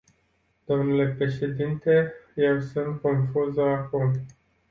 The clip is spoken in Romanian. Dle președinte, eu sunt confuză acum.